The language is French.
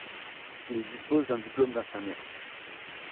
Il dispose d'un diplôme d’infirmier.